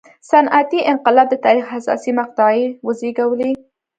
صنعتي انقلاب د تاریخ حساسې مقطعې وزېږولې.